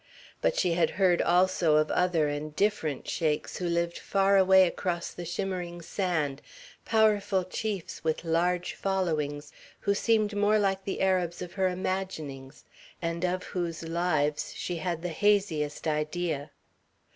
But she had heard also of other and different Sheiks who lived far away across the shimmering sand, powerful chiefs with large followings, who seemed more like the Arabs of her imaginings, and of whose lives she had the haziest idea.